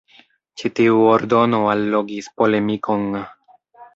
Ĉi tiu ordono allogis polemikon.